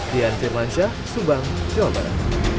dian firmansyah subang jawa barat